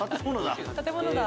建物だ。